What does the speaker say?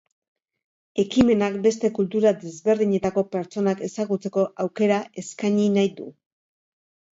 Ekimenak beste kultura desberdinetako pertsonak ezagutzeko aukera eskaini nahi du.